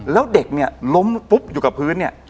แล้วเด็กล้มปุ๊บอยู่กับพื้น